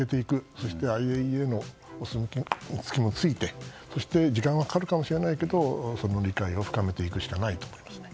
そして、ＩＡＥＡのお墨付きもついて時間がかかるかもしれないけどその理解を深めていくしかないと思います。